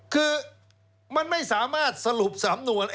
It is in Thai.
คือมันไม่สามารถสรุปสำนวน